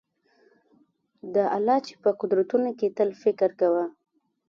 د الله چي په قدرتونو کي تل فکر کوه